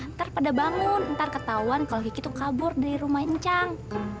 ntar pada bangun ntar ketahuan kalau gigi itu kabur dari rumah encang